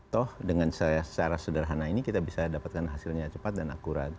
toh dengan secara sederhana ini kita bisa dapatkan hasilnya cepat dan akurat